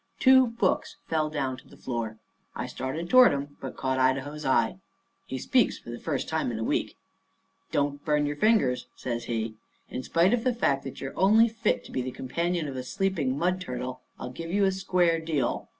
Two books fell down to the floor. I started toward 'em, but caught Idaho's eye. He speaks for the first time in a week. "Don't burn your fingers," says he. "In spite of the fact that you're only fit to be the companion of a sleeping mud turtle, I'll give you a square deal.